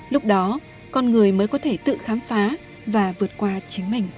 lúc đó con người mới có thể tự khám phá và vượt qua chính mình